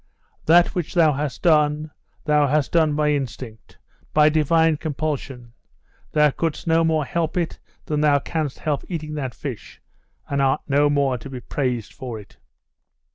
That which thou hast done, thou hast done by instinct by divine compulsion thou couldst no more help it than thou canst help eating that fish, and art no more to be praised for it.